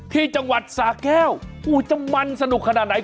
ที่จังหวัดสาแก้วจะมันสนุกขนาดไหน